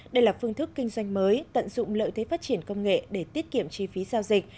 đây là phương thức kinh doanh mới tận dụng lợi thế phát triển công nghệ để tiết kiệm chi phí giao dịch